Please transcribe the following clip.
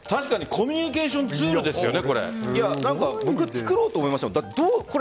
コミュニケーションツールですからね。